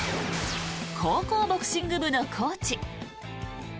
高校ボクシング部のコーチ。